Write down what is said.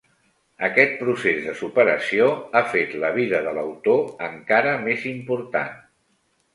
Aquest procés de superació ha fet la vida de l'autor encara més important.